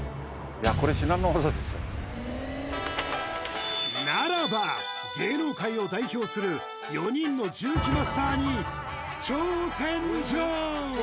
これならば芸能界を代表する４人の重機マスターに挑戦状！